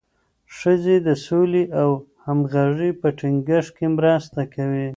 ښځې د سولې او همغږۍ په ټینګښت کې مرسته کوي.